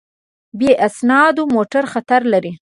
بې اسنادو موټر خطر لري.